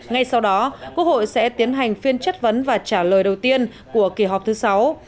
ngay sau đó quốc hội sẽ tiến hành phiên chất vấn và trả lời đầu tiên của kỳ họp thứ sáu